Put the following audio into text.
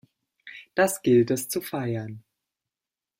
Das gilt es zu feiern!